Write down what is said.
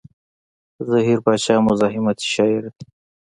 زهير باچا مزاحمتي شاعر دی.